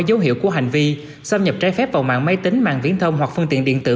dấu hiệu của hành vi xâm nhập trái phép vào mạng máy tính mạng viễn thông hoặc phương tiện điện tử